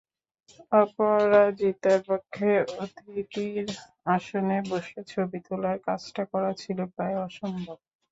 অপরাজিতার পক্ষে অতিথির আসনে বসে ছবি তোলার কাজটা করা ছিল প্রায় অসম্ভব।